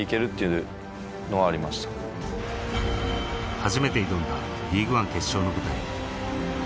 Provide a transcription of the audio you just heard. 初めて挑んだリーグワン決勝の舞台